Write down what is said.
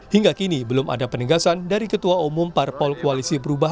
hingga kini belum ada penegasan dari ketua umum parpol koalisi perubahan